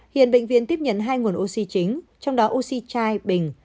hiện bệnh viện tiếp nhận hai nguồn oxy chính trong đó oxy chai bình